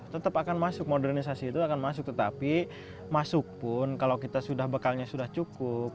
tetap akan masuk modernisasi itu akan masuk tetapi masuk pun kalau kita sudah bekalnya sudah cukup